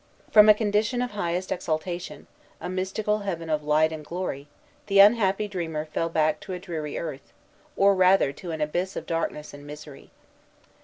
From a condition of highest exaltation, a mystical heaven of light and glory, the unhappy dreamer fell back to a dreary earth, or rather to an abyss of darkness and misery.